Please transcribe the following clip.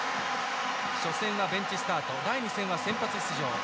初戦はベンチスタート第２戦は先発出場。